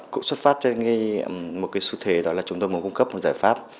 cũng xuất phát trên một cái xu thế đó là chúng tôi muốn cung cấp một giải pháp